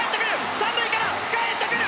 三塁から帰ってくる。